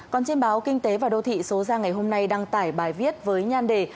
còn trên báo kinh tế và đô thị số ra ngày hôm nay đăng tải bài viết với nhan đề